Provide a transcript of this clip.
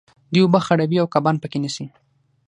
دوی اوبه خړوي او کبان په کې نیسي.